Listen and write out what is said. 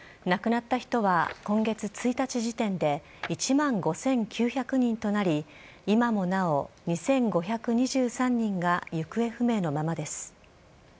亡くなった人は今月１日時点で１万５９００人となり今もなお２５２３人が行方不明のままです。